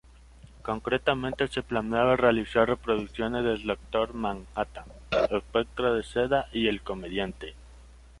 Concretamente, se planeaba realizar reproducciones del Dr. Manhattan, Espectro de Seda y el Comediante.